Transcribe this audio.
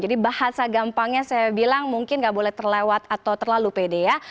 jadi bahasa gampangnya saya bilang mungkin tidak boleh terlewat atau terlalu pede ya